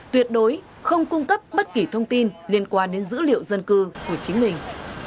tuyệt đối không cung cấp bất kỳ thông tin liên quan đến dữ liệu dân cư của chính mình